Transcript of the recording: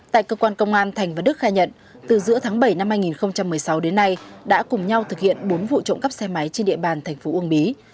tại cơ quan công an thành và đức khai nhận từ giữa tháng bảy năm hai nghìn một mươi sáu đến nay đã cùng nhau thực hiện bốn vụ trộm cắp xe máy trên địa bàn thành phố uông bí